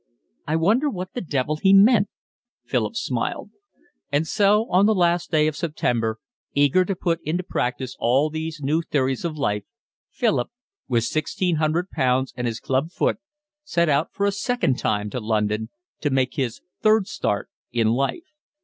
"I wonder what the devil he meant," Philip smiled. And so, on the last day of September, eager to put into practice all these new theories of life, Philip, with sixteen hundred pounds and his club foot, set out for the second time to London to make his third start in life.